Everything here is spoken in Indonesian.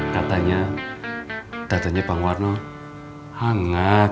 katanya datanya bang warno hangat